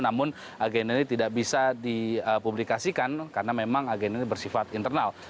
namun agenda ini tidak bisa dipublikasikan karena memang agenda ini bersifat internal